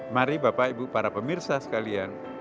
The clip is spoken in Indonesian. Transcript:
mari bapak ibu para pemirsa sekalian